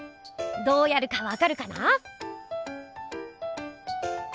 どうやるかわかるかな？